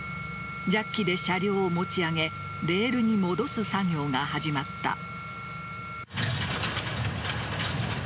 ジャッキで車両を持ち上げレールに戻す作業が始まった。